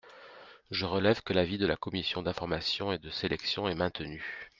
Je relève que l’avis de la commission d’information et de sélection est maintenu.